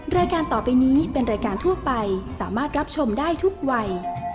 รายการต่อไปนี้เป็นรายการทั่วไปสามารถรับชมได้ทุกวัย